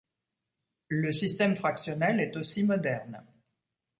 Le système fractionnel est aussi moderne.